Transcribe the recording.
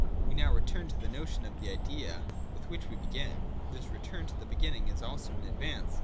We have now returned to the notion of the Idea with which we began. This return to the beginning is also an advance.